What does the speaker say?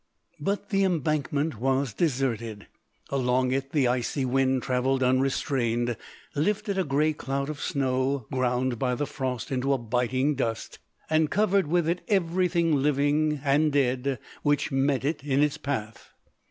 But the embankment was deserted. Along it the icy wind traveled unrestrained, lifted a grey cloud of snow, ground by the frost into a biting dust, and covered with it everything living and dead which met it in its path.